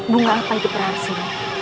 bunga apa itu terakhir